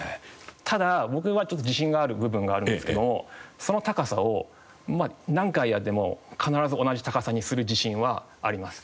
ただ僕はちょっと自信がある部分があるんですけどその高さをまあ何回やっても必ず同じ高さにする自信はあります。